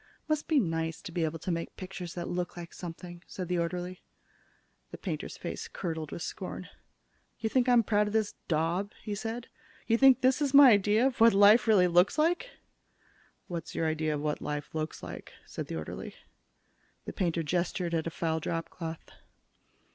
"Must be nice to be able to make pictures that look like something," said the orderly. The painter's face curdled with scorn. "You think I'm proud of this daub?" he said. "You think this is my idea of what life really looks like?" "What's your idea of what life looks like?" said the orderly. The painter gestured at a foul dropcloth.